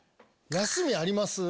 休みあります？